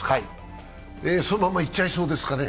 そのままいっちゃいそうですかね？